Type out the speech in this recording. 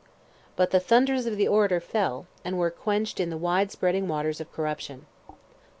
But the thunders of the orator fell, and were quenched in the wide spreading waters of corruption.